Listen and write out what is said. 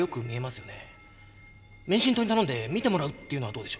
免震棟に頼んで見てもらうっていうのはどうでしょう？